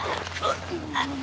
ああ！